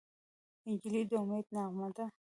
نجلۍ د امید نغمه ده.